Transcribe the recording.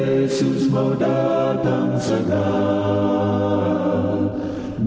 yesus mau datang sedang